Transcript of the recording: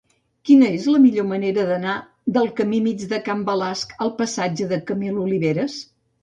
Quina és la millor manera d'anar del camí Mig de Can Balasc al passatge de Camil Oliveras?